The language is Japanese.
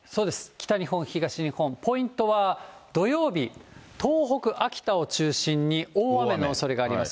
北日本、東日本、ポイントは土曜日、東北、秋田を中心に大雨のおそれがあります。